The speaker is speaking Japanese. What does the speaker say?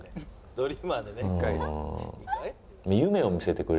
「ドリーマーでね」